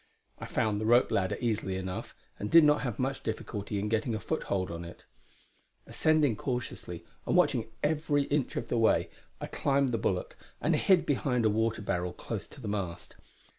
I found the rope ladder easily enough, and did not have much difficulty in getting a foothold on it. Ascending cautiously, and watching every inch of the way, I climbed the bulwark and hid behind a water barrel close to the mast.